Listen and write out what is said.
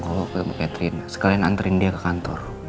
kalau aku ketemu catherine sekalian anterin dia ke kantor